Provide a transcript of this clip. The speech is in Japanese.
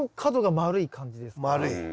丸い。